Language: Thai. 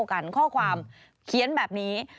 กันข้อความเขียนแบบนี้